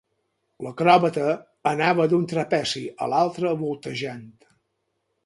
L'acròbata anava d'un trapezi a l'altre voltejant.